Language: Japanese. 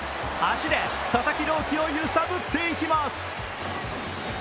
足で佐々木朗希を揺さぶっていきます。